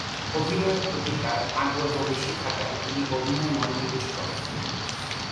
অভিনয়ের প্রতি তার আগ্রহ বেশি থাকায় তিনি অভিনয়ে মনোনিবেশ করেন।